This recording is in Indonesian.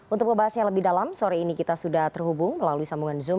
untuk membahasnya lebih dalam sore ini kita sudah terhubung melalui sambungan zoom